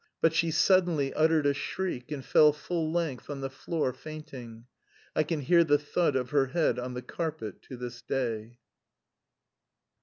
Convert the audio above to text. But she suddenly uttered a shriek, and fell full length on the floor, fainting. I can hear the thud of her head on the carpet to this day.